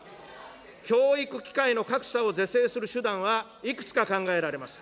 教育機会の格差を是正する手段は、いくつか考えられます。